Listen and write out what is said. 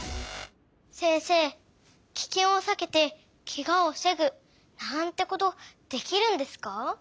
せんせいキケンをさけてケガをふせぐなんてことできるんですか？